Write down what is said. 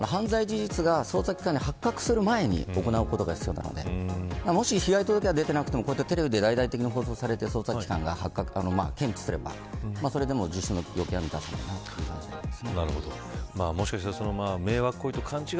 犯罪の事実が発覚する前に行うことが必要なのでもし被害届が出ていなくてもテレビで大々的に報道されて捜査機関が検知すればそれでも自首の要件を満たせないと思います。